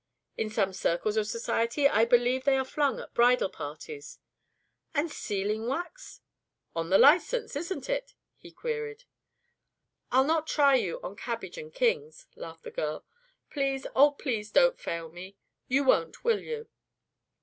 "In some circles of society, I believe they are flung at bridal parties." "And sealing wax?" "On the license, isn't it?" he queried. "I'll not try you on cabbage and kings," laughed the girl. "Please, oh, please, don't fail me. You won't, will you?"